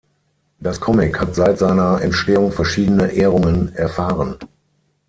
Das Comic hat seit seiner Entstehung verschiedene Ehrungen erfahren.